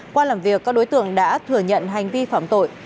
qua làm việc các đối tượng đã thừa nhận hành vi phạm tội